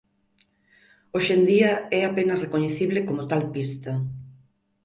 Hoxe en día é apenas recoñecible como tal pista.